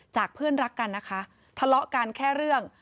เพื่อนรักกันนะคะทะเลาะกันแค่เรื่อง